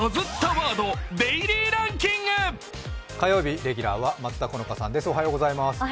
火曜日レギュラーは松田好花さんです。